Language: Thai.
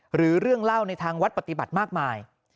หรือเรื่องเล่าในทางวัดปฏิบัติมากมาย